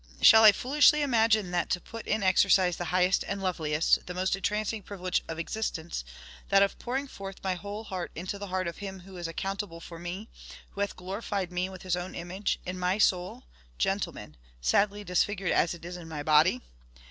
Shall I foolishly imagine that to put in exercise the highest and loveliest, the most entrancing privilege of existence, that of pouring forth my whole heart into the heart of him who is ACCOUNTABLE FOR me, who hath glorified me with his own image in my soul, gentlemen, sadly disfigured as it is in my body!